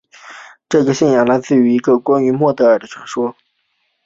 这个信仰来自一个关于得墨忒耳的传说。